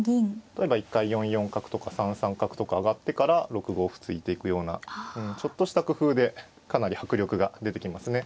例えば一回４四角とか３三角とか上がってから６五歩突いていくようなちょっとした工夫でかなり迫力が出てきますね。